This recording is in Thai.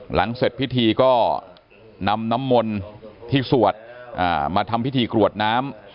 หลังเสร็จพิธีก็นำน้ำมนต์ที่สวดมาทำพิธีกรวดน้ำ